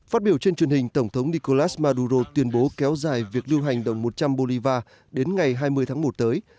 phát biểu trên truyền hình tổng thống nicolas maduro tuyên bố kéo dài việc lưu hành đồng một trăm linh bolivar đến ngày hai mươi tháng một tới